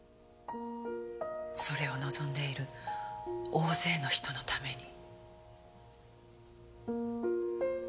それを望んでいる大勢の人のために。